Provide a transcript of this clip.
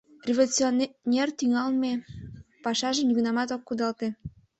Революционер тӱҥалме пашажым нигунамат ок кудалте.